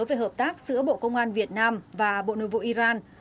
về hợp tác giữa bộ công an việt nam và bộ nội vụ iran